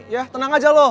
ya tenang aja lo